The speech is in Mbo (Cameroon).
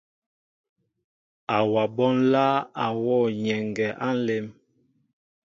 Awaɓó nláá a wɔ nyɛŋgɛ á nlém.